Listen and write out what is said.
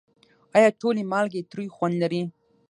آیا ټولې مالګې تریو خوند لري؟